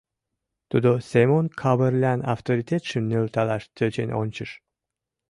Тудо Семон Кавырлян авторитетшым нӧлталаш тӧчен ончыш.